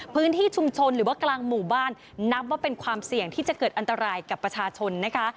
พื้นที่ชุมชนหรือว่ากลางหมู่บ้านนับว่าเป็นความเสี่ยงที่จะเกิดอันตรายกับประชาชนนะคะ